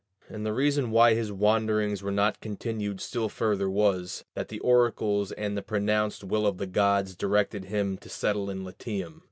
And the reason why his wanderings were not continued still further was, that the oracles and the pronounced will of the gods directed him to settle in Latium.